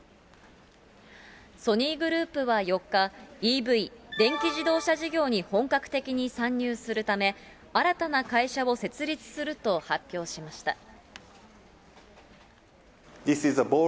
ソニーグループは４日、ＥＶ・電気自動車事業に本格的に参入するため、新たな会社を設立すると発表しました。